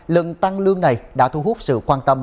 lần tăng lương này đã thu hút sự quan tâm